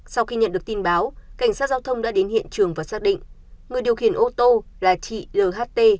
sau khi nhận được tin báo cảnh sát giao thông đã đến hiện trường và xác định người điều khiển ô tô là chị nht